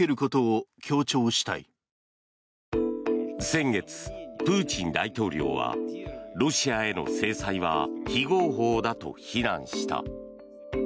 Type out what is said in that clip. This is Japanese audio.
先月、プーチン大統領はロシアへの制裁は非合法だと非難した。